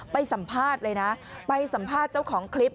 ไปสัมภาษณ์เลยนะไปสัมภาษณ์เจ้าของคลิป